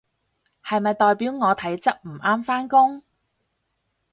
係咪代表我體質唔啱返工？